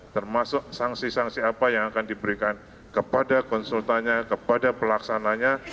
termasuk sanksi sanksi apa yang akan diberikan kepada konsultannya kepada pelaksananya